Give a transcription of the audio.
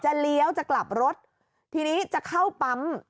เลี้ยวจะกลับรถทีนี้จะเข้าปั๊ม